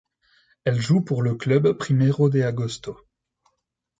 Elle joue pour le club Primeiro de Agosto.